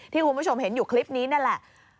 คุณผู้ชมเห็นอยู่คลิปนี้นั่นแหละ